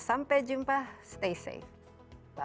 sampai jumpa stay safe